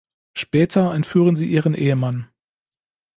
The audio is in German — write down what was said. Später entführen sie ihren Ehemann.